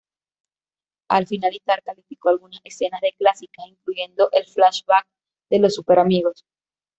Al finalizar, calificó algunas escenas de "clásicas" incluyendo el flashback de "Los Súper Amigos".